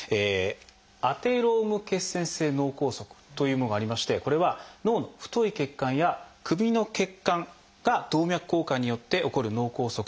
「アテローム血栓性脳梗塞」というものがありましてこれは脳の太い血管や首の血管が動脈硬化によって起こる脳梗塞のことです。